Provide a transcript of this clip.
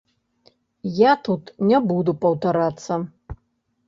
Я тут не буду паўтарацца.